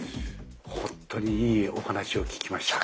本当にいいお話を聞きました。